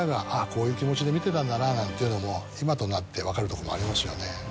見てたんだななんていうのも今となって分かるとこもありますよね。